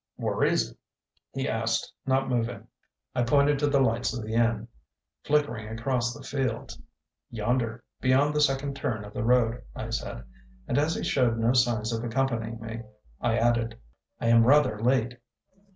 "Whur is't?" he asked, not moving. I pointed to the lights of the inn, flickering across the fields. "Yonder beyond the second turn of the road," I said, and, as he showed no signs of accompanying me, I added, "I am rather late."